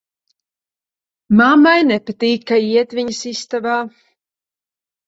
Mammai nepatīk, ka iet viņas istabā.